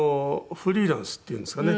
フリーランスっていうんですかね。